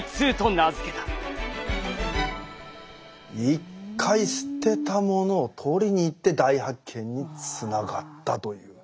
一回捨てたものを取りに行って大発見につながったという。